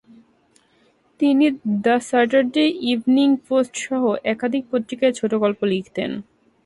তিনি the Saturday Evening পোস্ট-সহ একাধিক পত্রিকায় ছোটগল্প লিখতেন।